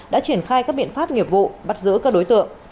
đã triển khai các biện pháp nghiệp vụ bắt giữ các đối tượng